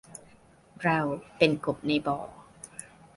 เราเป็นกบในบ่อ